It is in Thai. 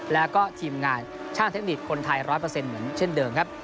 แล้วก็ทีมงานช่างเทคนิคคนไทย๑๐๐เหมือนเช่นเดิมครับ